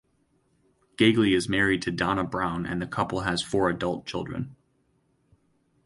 Galey is married to Donna Brown and the couple has four adult children.